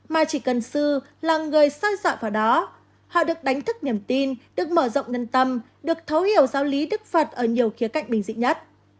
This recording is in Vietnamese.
mà chỉ cần sư là người sang sạc vào đó họ được đánh thức niềm tin được mở rộng nhân tâm được thấu hiểu giáo lý đức phật ở nhiều khía cạnh bình dị nhất